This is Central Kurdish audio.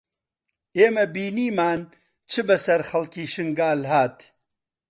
ئێمە بینیمان چ بەسەر خەڵکی شنگال هات